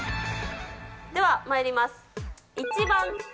ではまいります。